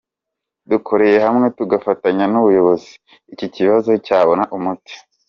Dukoreye hamwe tugafatanya n’ubuyobozi, iki kibazo cyazabona umuti.